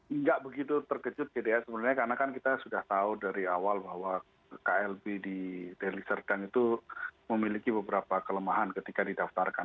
enggak begitu terkejut gitu ya sebenarnya karena kan kita sudah tahu dari awal bahwa klb di deli serdang itu memiliki beberapa kelemahan ketika didaftarkan